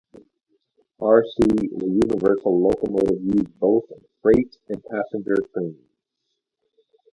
Rc is a universal locomotive used both in freight and passenger trains.